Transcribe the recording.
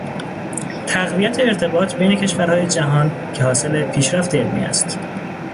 تقویت ارتباط بین کشورهای جهان که حاصل پیشرفت علمی است